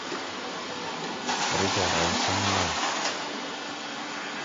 Rega raw saŋ lay.